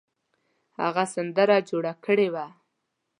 هغه سندره جوړه کړې وه.